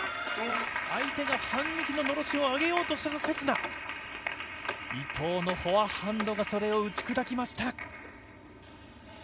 相手が反撃ののろしを上げようとするせつな、伊藤のフォアハンドがそれを打ち砕きました。